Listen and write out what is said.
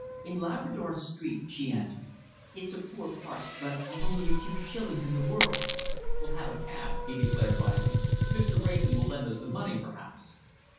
"In Labrador Street," she answered. "It's a poor part, but I've only a few shillings in the world." "We'll have a cab," he declared, rising. "Mr. Wrayson will lend us the money, perhaps?"